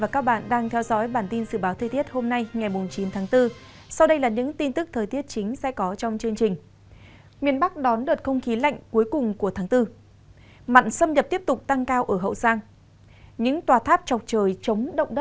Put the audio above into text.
các bạn hãy đăng ký kênh để ủng hộ kênh của chúng mình nhé